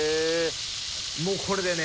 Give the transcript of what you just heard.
もうこれでね